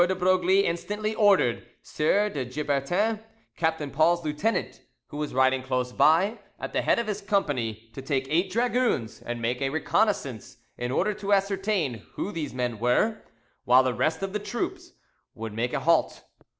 de Broglie instantly ordered Sieur de Gibertin, Captain Paul's lieutenant, who was riding close by, at the head of his company, to take eight dragoons and make a reconnaissance, in order to ascertain who these men were, while the rest of the troops would make a halt.